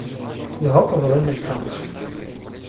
Його повели між бранців.